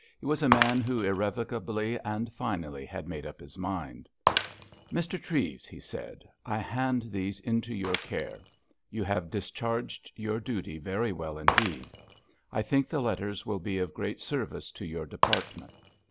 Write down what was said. He was a man who irrevocably and finally had made up his mind. "Mr. Treves," he said, "I hand these into your care. You have discharged your duty very well indeed. I think the letters will be of great service to your department."